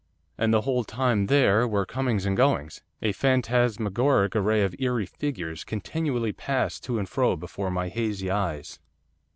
And the whole time there were comings and goings, a phantasmagoric array of eerie figures continually passed to and fro before my hazy eyes.